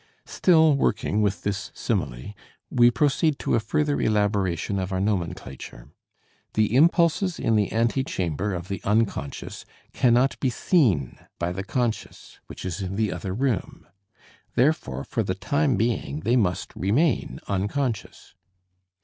Still working with this simile, we proceed to a further elaboration of our nomenclature. The impulses in the ante chamber of the unconscious cannot be seen by the conscious, which is in the other room; therefore for the time being they must remain unconscious.